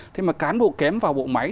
thế mà cán bộ kém vào bộ máy